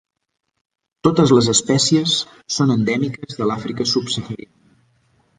Totes les espècies són endèmiques de l'Àfrica subsahariana.